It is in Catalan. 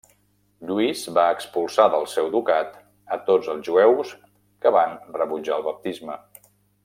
Lluís va expulsar del seu ducat a tots els jueus que van rebutjar el baptisme.